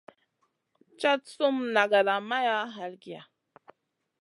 Cad sum nagada maya halgiy.